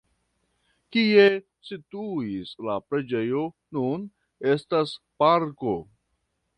Kie situis la preĝejo nun estas parko.